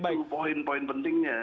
itu poin poin pentingnya